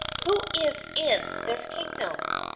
Who is in this Kingdom?